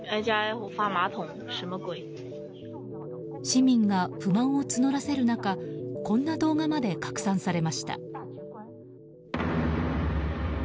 市民が不満を募らせる中こんな動画まで拡散されました。